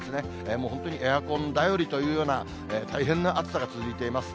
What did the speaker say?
もう本当にエアコンだよりというような、大変な暑さが続いています。